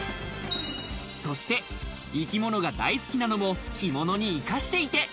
そして生き物が大好きなのも着物に生かしていて。